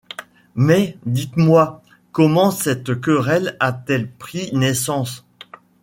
Mais, dites-moi, comment cette querelle a-t-elle pris naissance ?